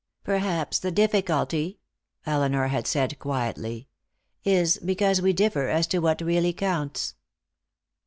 "Perhaps the difficulty," Elinor had said quietly, "is because we differ as to what really counts."